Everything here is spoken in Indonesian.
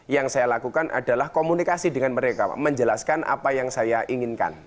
yang saya lakukan adalah komunikasi dengan mereka menjelaskan apa yang saya inginkan